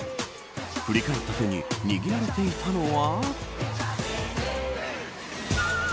振り返った手に握られていたのは。